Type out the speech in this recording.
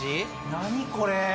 何これ！